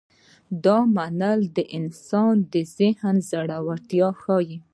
دا منل د انسان د ذهن زړورتیا ښيي.